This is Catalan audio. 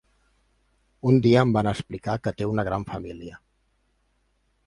Un dia em van explicar que té una gran família.